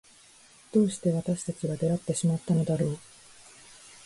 どうして私たちは出会ってしまったのだろう。